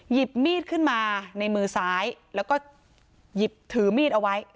หยิบมีดขึ้นมาในมือซ้ายแล้วก็หยิบถือมีดเอาไว้